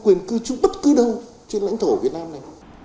quyền cư trú bất cứ đâu trên lãnh thổ việt nam này